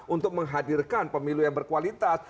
untuk menghadirkan pemilu yang berkualitas